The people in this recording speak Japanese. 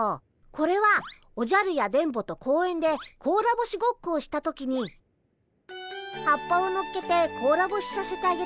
これはおじゃるや電ボと公園でこうらぼしごっこをした時に葉っぱをのっけてこうらぼしさせてあげた小石くんたち。